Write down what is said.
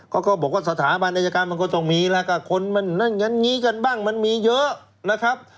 ก็บอกว่าสถาบันอายการมันก็ต้องมีแล้วก็คนมันนั่นอย่างนี้กันบ้างมันมีเยอะนะครับ